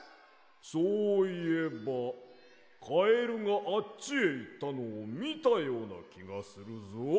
そういえばカエルがあっちへいったのをみたようなきがするぞ。